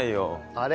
あれ？